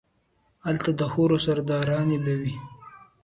الته ده حورو سرداراني به وي